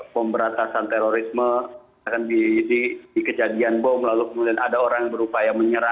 pemberantasan terorisme akan dikejadian bom lalu kemudian ada orang berupaya menyerah